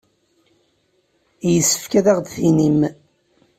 Yessefk ad aɣ-d-tinim.